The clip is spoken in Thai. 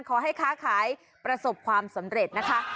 ค้าขายประสบความสำเร็จนะคะ